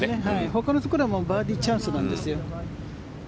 ほかのところはバーディーチャンスなんですよ。